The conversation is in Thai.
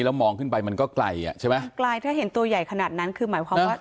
แล้วมองขึ้นไปมันก็ไกลอ่ะใช่ไหมไกลถ้าเห็นตัวใหญ่ขนาดนั้นคือหมายความว่า